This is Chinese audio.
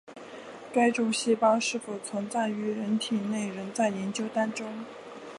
该种细胞是否存在于人体内仍在研究当中。